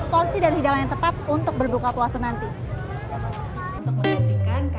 porsi dan hidangan yang tepat untuk berbuka puasa nanti